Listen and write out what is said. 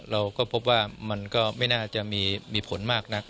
เราก็พบว่ามันก็ไม่น่าจะมีผลมากนัก